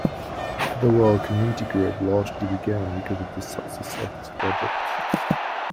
The World Community Grid largely began because of the success of this project.